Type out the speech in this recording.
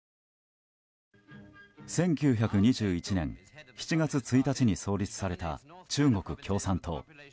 １９２１年７月１日に創立された中国共産党。